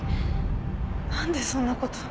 何でそんなこと？